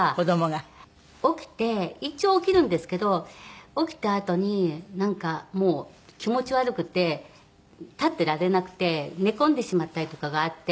起きて一応起きるんですけど起きたあとになんかもう気持ち悪くて立ってられなくて寝込んでしまったりとかがあって。